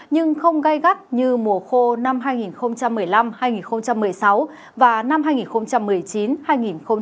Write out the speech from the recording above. nhưng không gây gắt như mùa khô năm hai nghìn một mươi năm hai nghìn một mươi sáu và năm hai nghìn một mươi chín hai nghìn hai mươi